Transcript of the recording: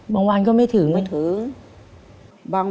ไม่ถึง